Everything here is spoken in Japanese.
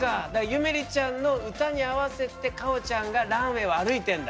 ゆめりちゃんの歌に合わせてかおちゃんがランウェイを歩いてんだ。